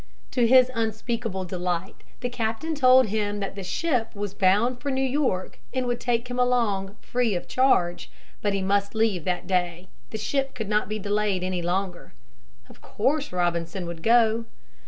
To his unspeakable delight the captain told him that the ship was bound for New York and would take him along free of charge, but he must leave that day. The ship could not be delayed any longer. Of course Robinson would go.